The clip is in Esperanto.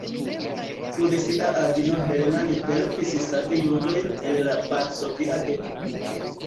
Kun sia avino Helena li helpis savi judojn el la Varsovia geto.